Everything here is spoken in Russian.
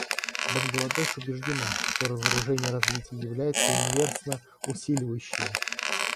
Бангладеш убеждена, что разоружение и развитие являются инверсно усиливающими.